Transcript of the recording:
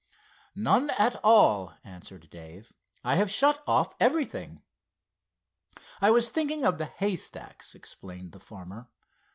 "None at all," answered Dave. "I have shut off everything." "I was thinking of the haystacks," explained the farmer.